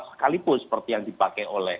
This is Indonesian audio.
sekalipun seperti yang dipakai oleh